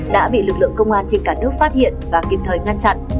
đã bị lực lượng công an trên cả nước phát hiện và kịp thời ngăn chặn